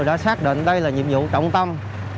đã xác định đây là nhiệm vụ trọng tâm